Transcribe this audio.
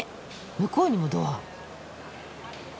向こうにもドア。